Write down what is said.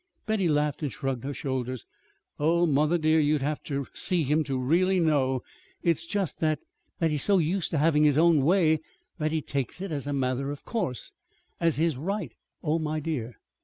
Betty laughed and shrugged her shoulders. "Oh, mother, dear, you'd have to see him really to know. It's just that that he's so used to having his own way that he takes it as a matter of course, as his right." "Oh, my dear!"